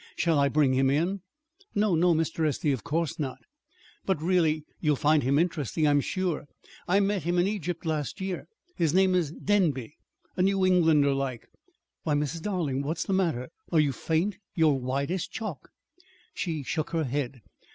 Shall I bring him in?" "No, no, Mr. Estey, of course not!" "But, really, you'd find him interesting, I'm sure. I met him in Egypt last year. His name is Denby a New Englander like Why, Mrs. Darling, what is the matter? Are you faint? You're white as chalk!" She shook her head.